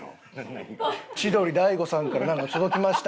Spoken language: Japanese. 「千鳥大悟さんからなんか届きました」